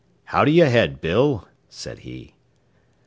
"How d'you head, Bill?" said he.